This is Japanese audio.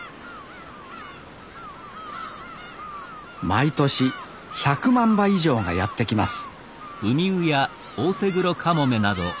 毎年１００万羽以上がやって来ます